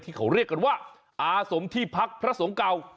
ที่เขาเรียกกันอศมที่พักพระทรงเก่า